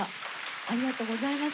ありがとうございます。